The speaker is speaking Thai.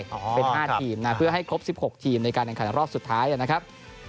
เป็น๕ทีมนะเพื่อให้ครบ๑๖ทีมในการแข่งขันรอบสุดท้ายนะครับ